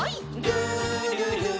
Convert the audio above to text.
「るるる」